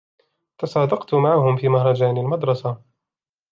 تصادقت معهم في مهرجان المدرسة.